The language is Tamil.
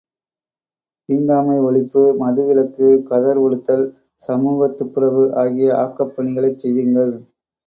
தீண்டாமை ஒழிப்பு, மது விலக்கு, கதர் உடுத்தல், சமூகத் துப்புரவு ஆகிய ஆக்கப் பணிகளைச் செய்யுங்கள்.